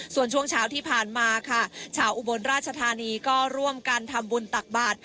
ส่วนช่วงเช้าที่ผ่านมาค่ะชาวอุบลราชธานีก็ร่วมกันทำบุญตักบาท